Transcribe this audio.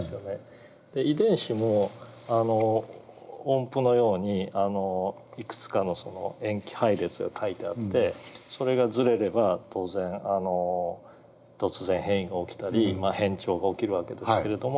遺伝子も音符のようにいくつかの塩基配列が書いてあってそれがズレれば当然突然変異が起きたり変調が起きる訳ですけれども。